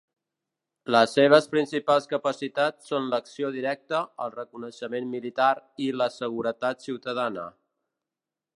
Les seves principals capacitats són l'acció directa, el reconeixement militar i la seguretat ciutadana.